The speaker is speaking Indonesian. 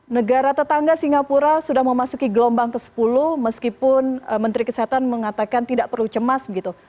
negara tetangga singapura sudah memasuki gelombang ke sepuluh meskipun menteri kesehatan mengatakan tidak perlu cemas begitu